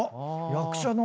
役者の。